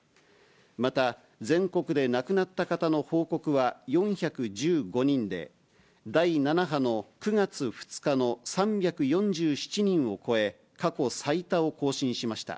また、全国で亡くなった方の報告は、４１５人で、第７波の９月２日の３４７人を超え、過去最多を更新しました。